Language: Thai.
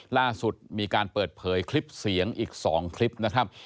ล่าสุดมีการเปิดเผยคลิปเสียงอีก๒คลิปนะครับ